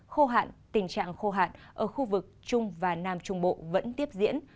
khô hạn tình trạng khô hạn ở khu vực trung và nam trung bộ vẫn tiếp diễn